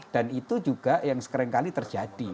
dan itu juga yang sekali kali terjadi